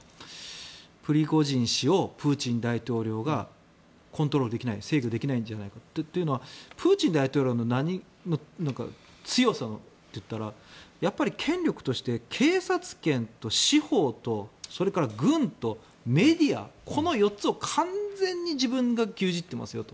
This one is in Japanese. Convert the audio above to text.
プリゴジン氏をプーチン大統領がコントロールできない制御できないんじゃないかというのはプーチン大統領の強さといったらやっぱり権力として警察権と司法とそれから軍とメディアこの４つを完全に自分が牛耳っていますよと。